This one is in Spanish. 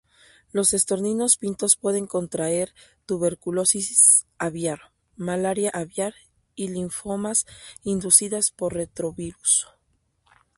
Los estorninos pintos pueden contraer tuberculosis aviar, malaria aviar y linfomas inducidas por retrovirus.